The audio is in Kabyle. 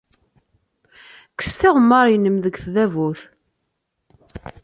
Kkes tiɣemmar-nnem seg tdabut.